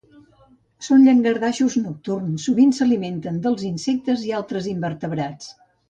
Són llangardaixos nocturns, sovint s'alimenten dels insectes i altres invertebrats.